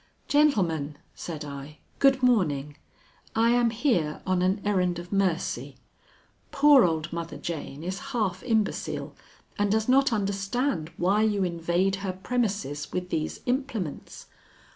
"Gentlemen," said I, "good morning. I am here on an errand of mercy. Poor old Mother Jane is half imbecile and does not understand why you invade her premises with these implements.